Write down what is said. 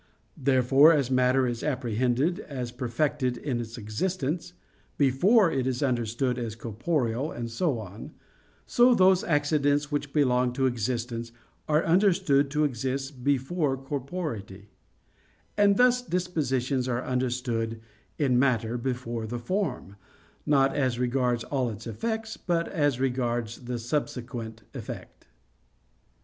Therefore as matter is apprehended as perfected in its existence, before it is understood as corporeal, and so on; so those accidents which belong to existence are understood to exist before corporeity; and thus dispositions are understood in matter before the form, not as regards all its effects, but as regards the subsequent effect.